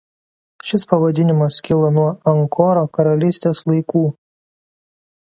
Šis pavadinimas kilo nuo Ankoro karalystės laikų.